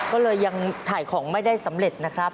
ก็เลยยังถ่ายของไม่ได้สำเร็จนะครับ